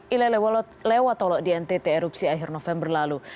ilele lewat tolok di ntt erupsi akhir november lalu